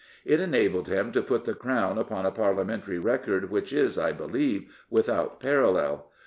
It enabled him to put the crown upon a Parliamentary record which is, I believe, without parallel.